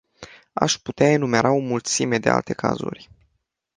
Aș putea enumera o mulțime de alte cazuri.